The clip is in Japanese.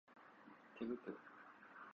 手袋